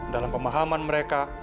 dalam pemahaman mereka